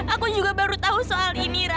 aku juga baru tahu soal ini ra